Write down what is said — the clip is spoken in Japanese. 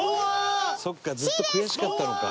「そっかずっと悔しかったのか」